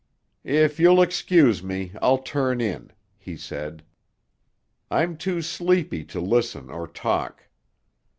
"If you'll excuse me, I'll turn in," he said. "I'm too sleepy to listen or talk."